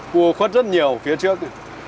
cua khuất rất nhiều phía trước